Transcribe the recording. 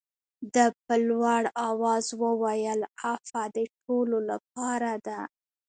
ده په لوړ آواز وویل عفوه د ټولو لپاره ده.